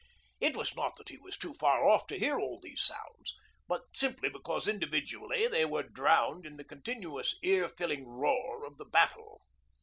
It was not that he was too far off to hear all these sounds, but simply because individually they were drowned in the continuous ear filling roar of the battle.